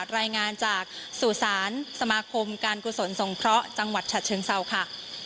รายงานจากสู่ศาลสมาคมการกุศลสงเคราะห์จังหวัดฉะเชิงเศร้าค่ะ